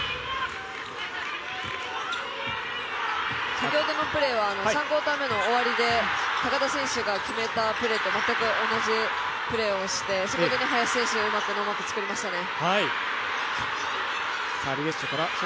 先ほどのプレーは３クオーター目の終わりで高田選手の決めたプレーと全く同じプレーをしてそこで林選手、うまくノーマークつくりましたね。